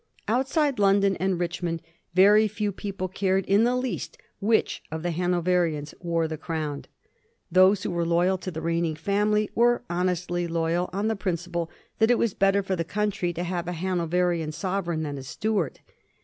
Outside London and Richmond very few people cared in the least which of the Hanoverians wore the crown. Those who were loyal to the reigning family were honestly loyal on the principle that it was better for the country to have a Hanoverian sovereign than a Stuart.